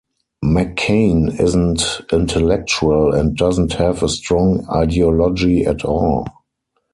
McCain isn't intellectual, and doesn't have a strong ideology at all.